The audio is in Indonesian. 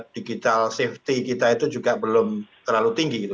digital safety kita itu juga belum terlalu tinggi gitu